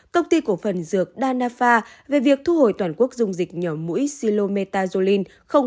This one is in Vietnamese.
công ty cổ phần dược danapha về việc thu hồi toàn quốc dùng dịch nhỏ mũi silometazolin năm